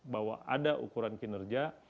bahwa ada ukuran kinerja